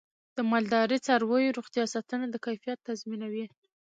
د مالدارۍ د څارویو روغتیا ساتنه د کیفیت تضمینوي.